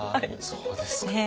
そうですか。